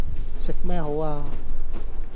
食咩好啊